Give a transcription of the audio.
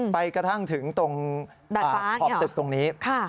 ไปกระทั่งถึงตรงขอบตึกตรงนี้